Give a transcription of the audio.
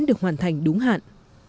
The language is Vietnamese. được hoàn thành đúng hạn